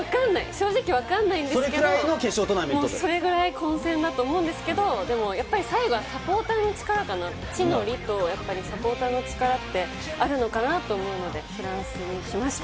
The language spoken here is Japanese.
正直わかんないんですけれども、それぐらい混戦だと思うんですけれど、最後はサポーターの力かな、地の利とサポーターの力ってあるのかなと思うので、フランスにしました。